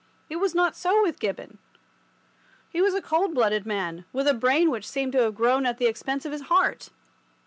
It was not so with Gibbon. He was a cold blooded man, with a brain which seemed to have grown at the expense of his heart.